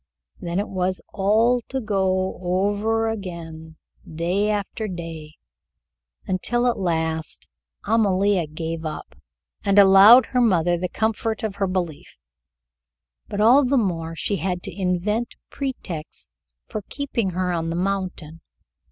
Then it was all to go over again, day after day, until at last Amalia gave up, and allowed her mother the comfort of her belief: but all the more she had to invent pretexts for keeping her on the mountain.